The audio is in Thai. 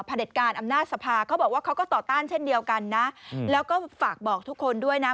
เด็จการอำนาจสภาเขาบอกว่าเขาก็ต่อต้านเช่นเดียวกันนะแล้วก็ฝากบอกทุกคนด้วยนะ